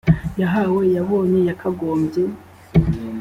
yahawe yabonye yakagombye